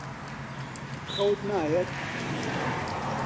خەوت نایەت؟